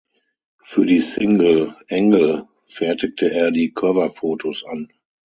Für die Single "Engel" fertigte er die Coverfotos an.